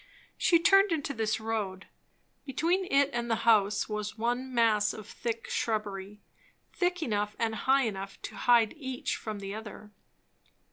She turned into this road. Between it and the house was one mass of thick shrubbery, thick enough and high enough to hide each from the other.